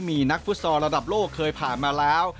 มีนักฟุตซอลระดับโลกเคยผ่านมาแล้ว